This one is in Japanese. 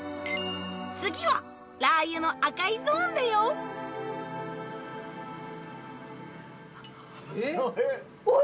次はラー油の赤いゾーンだよえ！